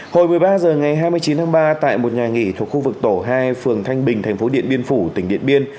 hồi một mươi ba h ngày hai mươi chín tháng ba tại một nhà nghỉ thuộc khu vực tổ hai phường thanh bình thành phố điện biên phủ tỉnh điện biên